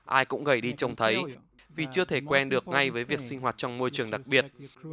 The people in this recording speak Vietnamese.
thời gian đầu ai cũng gầy đi trông thấy vì chưa thể quen được ngay với việc sinh hoạt trong môi trường đặc biệt